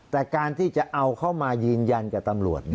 แต่การที่จะเอาเข้ามายืนยันกับตำรวจ